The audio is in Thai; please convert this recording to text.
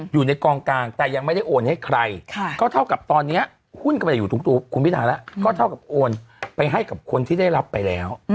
อยู่ในกองกลางแต่ยังไม่ได้โอนให้ใครก็เท่ากับตอนนี้หุ้นก็ไม่ได้อยู่ทุกตัวคุณพิธาแล้วก็เท่ากับโอนไปให้กับคนที่ได้รับไปแล้ว